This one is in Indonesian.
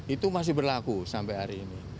itu masih berlaku sampai hari ini